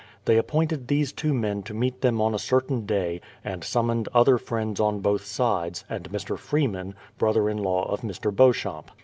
They appointed these two men to meet them on a certain day, and summoned other friends on both sides, and Mr. Freeman, brother in law of Mr. Beauchamp.